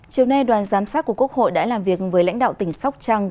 chiều nay đoàn giám sát của quốc hội đã làm việc với lãnh đạo tỉnh sóc trăng